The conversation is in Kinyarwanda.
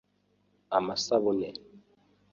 amasabune